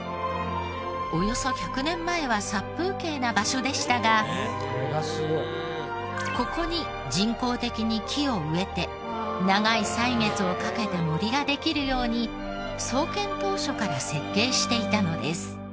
およそ１００年前は殺風景な場所でしたがここに人工的に木を植えて長い歳月をかけて森ができるように創建当初から設計していたのです。